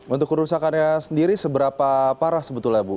untuk kerusakannya sendiri seberapa parah sebetulnya bu